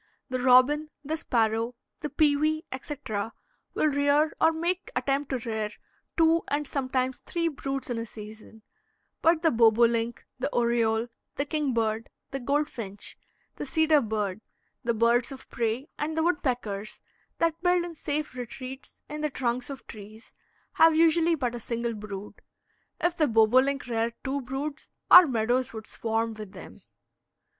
The robin, the sparrow, the pewee, etc., will rear, or make the attempt to rear, two and sometimes three broods in a season; but the bobolink, the oriole, the kingbird, the goldfinch, the cedar bird, the birds of prey, and the woodpeckers, that build in safe retreats, in the trunks of trees, have usually but a single brood. If the boblink reared two broods, our meadows would swarm with them.